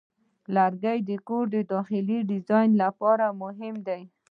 لرګی د کور داخلي ډیزاین لپاره مهم دی.